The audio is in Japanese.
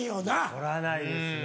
取らないですね。